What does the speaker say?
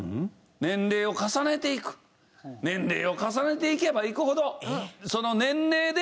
年齢を重ねていけばいくほど。